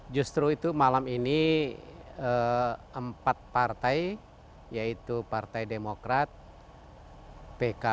justru itu malam ini empat partai yaitu partai demokrat pkb pan dan p tiga